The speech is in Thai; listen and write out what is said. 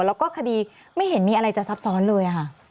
แล้วก็คดีไม่เห็นมีอะไรจะซับซ้อนเลยค่ะ